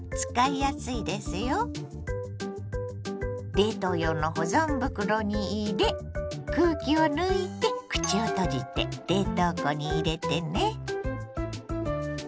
冷凍用の保存袋に入れ空気を抜いて口を閉じて冷凍庫に入れてね。